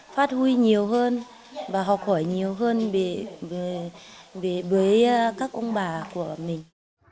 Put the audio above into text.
phát huy nhiều hơn và học hỏi nhiều hơn với các ông bà của mình